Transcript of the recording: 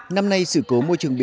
năm nay sự cố môi trường dân